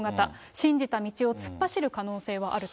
信じた道を突っ走る可能性はあると。